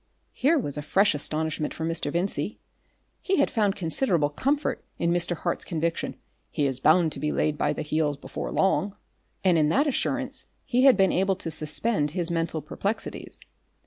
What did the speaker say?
Here was a fresh astonishment for Mr. Vincey. He had found considerable comfort in Mr. Hart's conviction: "He is bound to be laid by the heels before long," and in that assurance he had been able to suspend his mental perplexities.